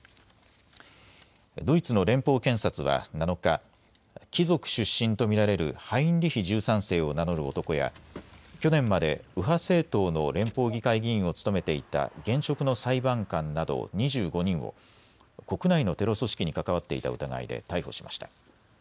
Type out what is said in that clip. ドイツの連邦検察は７日、貴族出身と見られるハインリヒ１３世を名乗る男や去年まで右派政党の連邦議会議員を務めていた現職の裁判官など２５人を国内のテロ組織に関わっていた疑いで逮捕しました。